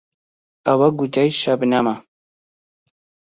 ئەوە گوتەی شەبنەمە